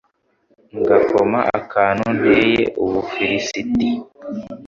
ngakoma akamu nteye Ubufilisiti